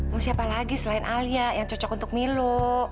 mau siapa lagi selain alia yang cocok untuk milu